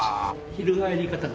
翻り方が。